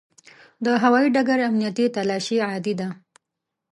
د هوایي ډګر امنیتي تلاشي عادي ده.